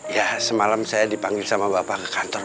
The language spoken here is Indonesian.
ya semalam saya dipanggil sama bapak ke kantor